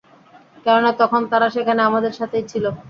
কেননা, তখন তারা সেখানে আমাদের সাথেই ছিল।